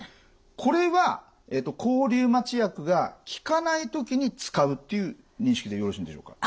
これは抗リウマチ薬が効かない時に使うっていう認識でよろしいんでしょうか。